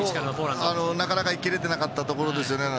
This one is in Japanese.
なかなか行けていなかったところですよね。